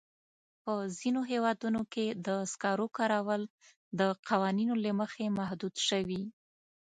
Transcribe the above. په ځینو هېوادونو کې د سکرو کارول د قوانینو له مخې محدود شوي.